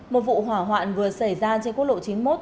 một vụ hỏa hoạn vừa xảy ra trên quốc lộ chín mươi một